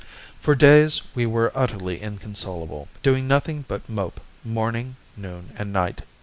For days we were utterly inconsolable, doing nothing but mope morning, noon, and night.